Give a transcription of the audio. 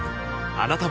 あなたも